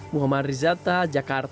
muhammad rizata jakarta